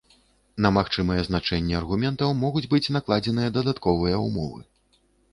На магчымыя значэнні аргументаў могуць быць накладзеныя дадатковыя ўмовы.